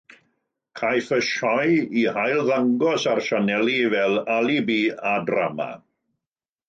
Caiff y sioe ei hailddangos ar sianeli fel Alibi a Drama.